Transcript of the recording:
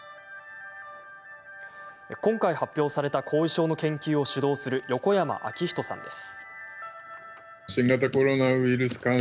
今回発表された後遺症の研究を主導する横山彰仁さんです。